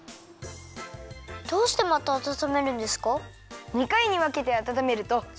どうしてまたあたためるんですか？